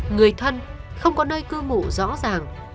người thân không có nơi cư mụ rõ ràng